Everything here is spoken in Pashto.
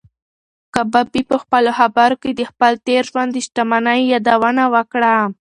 کبابي په خپلو خبرو کې د خپل تېر ژوند د شتمنۍ یادونه وکړه.